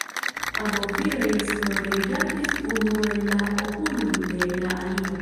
Ambaŭ viroj esplore rigardis unu en la okulojn de la alia.